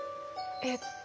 えっと